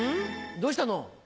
どうしたの？